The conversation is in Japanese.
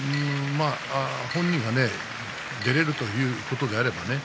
本人が出られるということであればね